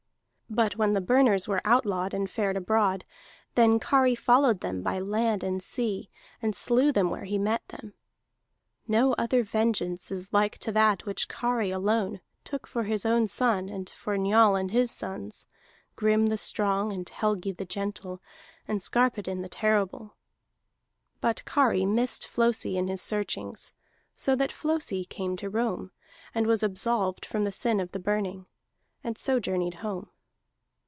But when the Burners were outlawed and fared abroad, then Kari followed them by land and sea, and slew them where he met them. No other vengeance is like to that which Kari, alone, took for his own son, and for Njal and his sons, Grim the strong, and Helgi the gentle, and Skarphedinn the terrible. But Kari missed Flosi in his searchings; so that Flosi came to Rome, and was absolved from the sin of the Burning, and so journeyed home.